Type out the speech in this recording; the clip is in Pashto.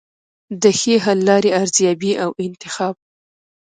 د ښې حل لارې ارزیابي او انتخاب.